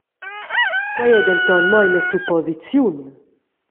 Quei ei denton mo ina supposiziun.